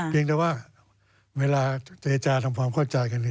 เพียงแต่ว่าเวลาเจรจาทำความเข้าใจกัน